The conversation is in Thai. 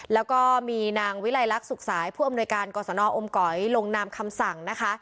แล้วก็มีนางวิลัยลักษณ์สุขสายผู้อำนวยการกรสนอมก๋อยลงนามคำสั่งนะคะ